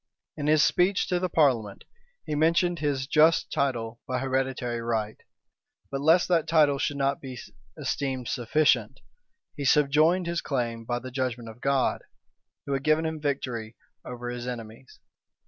In his speech to the parliament, he mentioned his just title by hereditary right: but lest that title should not be esteemed sufficient, he subjoined his claim by the judgment of God, who had given him victory over his enemies.